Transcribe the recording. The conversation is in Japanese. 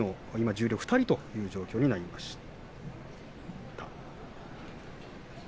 十両２人という状況になりました。